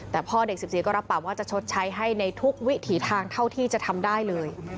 แต่พ่อเด็ก๑๔ก็รับปากว่าจะชดใช้ให้ในทุกวิถีทางเท่าที่จะทำได้เลย